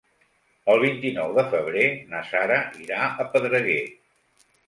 El vint-i-nou de febrer na Sara irà a Pedreguer.